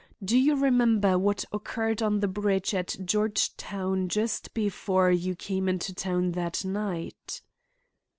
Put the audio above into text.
Do you remember what occurred on the bridge at Georgetown just before you came into town that night?"